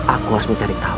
aku harus mencari tahu